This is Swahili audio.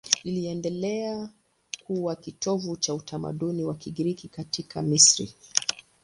Iliendelea kuwa kitovu cha utamaduni wa Kigiriki katika Misri.